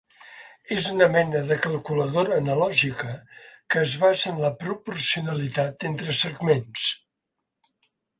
És una mena de calculadora analògica que es basa en la proporcionalitat entre segments.